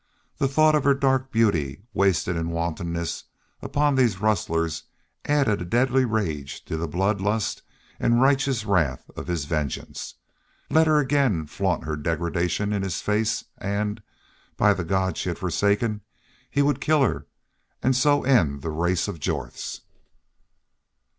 The thought of her dark beauty, wasted in wantonness upon these rustlers, added a deadly rage to the blood lust and righteous wrath of his vengeance. Let her again flaunt her degradation in his face and, by the God she had forsaken, he would kill her, and so end the race of Jorths!